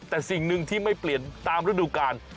แต่สิ่งหนึ่งที่ไม่เปลี่ยนตามฤดูกาล